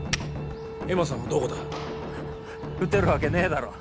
恵茉さんはどこだ撃てるわけねえだろ